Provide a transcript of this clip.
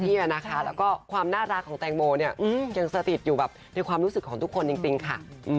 แล้วก็ความน่ารักของแตงโมเนี่ยยังสถิตอยู่แบบในความรู้สึกของทุกคนจริงค่ะ